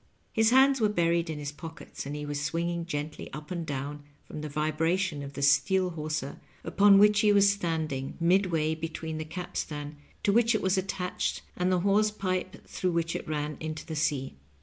His hands were buried in his pockets, and he was swinging gently up and down from the vibration of the steel hawser upon which he was standing, midway between the capstan to which it was attached and the hawse pipe through which it ran into the sea.